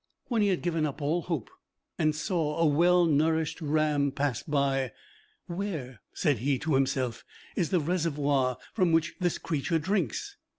When he had almost given up all hope, he saw a well nourished ram pass by. "Where," said he to himself, "is the reservoir from which this creature drinks?"